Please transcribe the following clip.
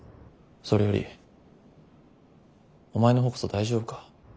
それよりお前の方こそ大丈夫か？